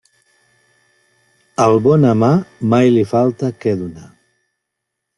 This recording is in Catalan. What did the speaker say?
Al bon amar mai li falta què donar.